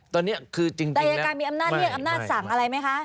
แต่อัยการมีอำนาจเรียกอำนาจสั่งอะไรไหมคะ